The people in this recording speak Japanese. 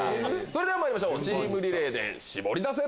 それではまいりましょうチームリレーでシボリダセ！